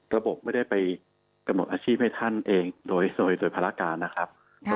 ระบบไม่ได้ไปกระหนดอาชีพให้ท่านเองโดยสมมุติโดยภารกาลนะครับ